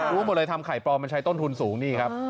รู้หมดเลยทำไข่ปลอมมันใช้ต้นทุนสูงนี่ครับ